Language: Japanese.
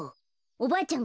おばあちゃん